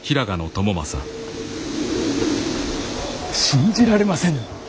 信じられませぬ。